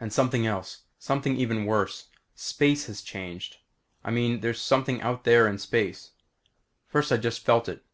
And something else something even worse. Space has changed. I mean there's something out there in space. First I just felt it.